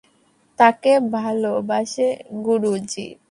তাকে ভালোবাসে, গুরুজি।